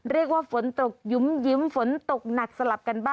เรียกว่าฝนตกหยุมฝนตกหนักสลับกันบ้าง